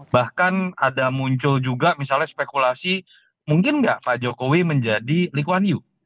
bahkan ada muncul juga misalnya spekulasi mungkin nggak pak jokowi menjadi likuan yu